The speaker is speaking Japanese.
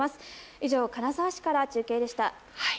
以上、金沢市から中継でした。